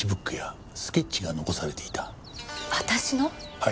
はい。